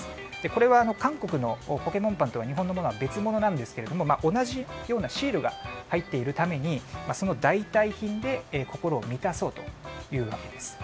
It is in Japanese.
これは韓国のポケモンパンとは日本のものは別物なんですけど同じようなシールが入っているためにその代替品で心を満たそうというわけです。